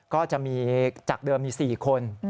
ก็จะมีจากเดิมมี๔คน